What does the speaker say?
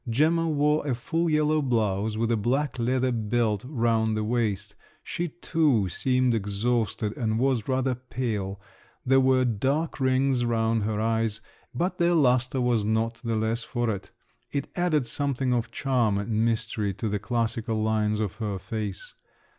Gemma wore a full yellow blouse, with a black leather belt round the waist; she too seemed exhausted, and was rather pale; there were dark rings round her eyes, but their lustre was not the less for it; it added something of charm and mystery to the classical lines of her face.